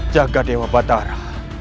jaga dewa batara